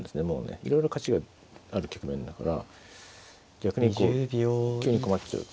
いろいろ勝ちがある局面だから逆にこう急に困っちゃうって。